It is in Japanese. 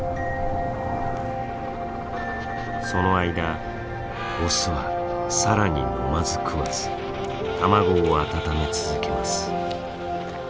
その間オスは更に飲まず食わず卵を温め続けます。